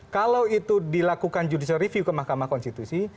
kalau itu dilakukan judicial review ke mahkamah konstitusi